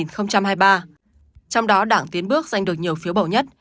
trong đó đảng tiến bước giành được nhiều phiếu bầu nhất